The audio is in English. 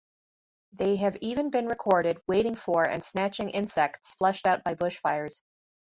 They have even been recorded waiting for and snatching insects flushed out by bushfires.